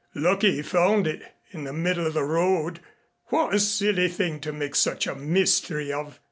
Lucky he found it in the middle of the road. What a silly thing to make such a mystery of.